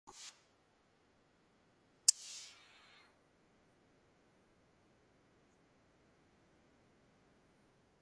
Readfield's municipal government's Town Manager is Eric Dyer.